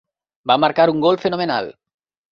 Va marcar un gol fenomenal.